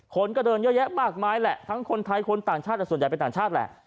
คนก็เดินเยอะแยะมากมายแหละทั้งคนไทยคนต่างชาติแต่ส่วนใหญ่เป็นต่างชาติแหละ